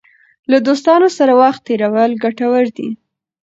له دوستانو سره وخت تېرول ګټور دی.